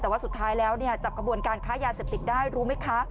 แต่ว่าสุดท้ายแล้วจับกระบวนการค้ายาเสพติดได้รู้ไหมคะ